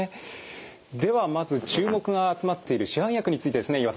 ではまず注目が集まっている市販薬についてですね岩田さん。